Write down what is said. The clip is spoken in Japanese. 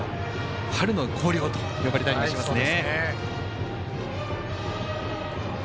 春の広陵と呼ばれたりしますね。